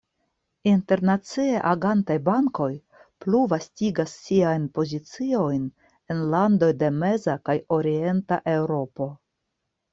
Internacie agantaj bankoj plu vastigas siajn poziciojn en landoj de meza kaj orienta Eŭropo.